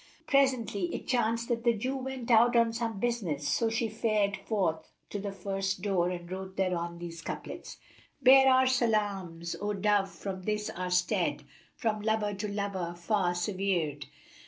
Presently it chanced that the Jew went out on some business so she fared forth to the first door and wrote thereon these couplets, "Bear our salams, O Dove, from this our stead * From lover to beloved far severčd!